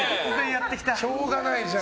しょうがないじゃん。